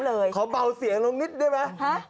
เดี๋ยวขอเป่าเสียงลงนิดได้ไหม